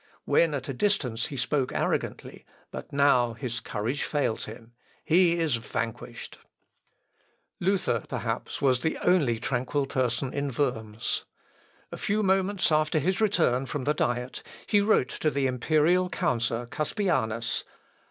When at a distance he spoke arrogantly, but now his courage fails him.... He is vanquished." [Sidenote: VIOLENCE OF THE SPANIARDS.] Luther, perhaps, was the only tranquil person in Worms. A few moments after his return from the Diet, he wrote to the imperial counsellor Cuspianus.